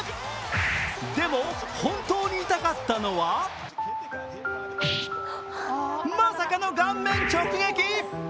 でも本当に痛かったのはまさかの顔面直撃！